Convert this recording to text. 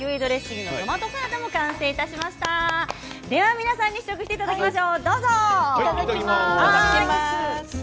皆さんに試食していただきます。